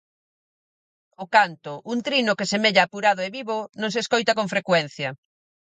O canto, un trino que semella apurado e vivo, non se escoita con frecuencia.